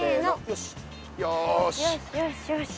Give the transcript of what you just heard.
よしよしよし。